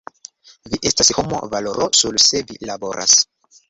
Vi estas homo valoro nur se vi laboras.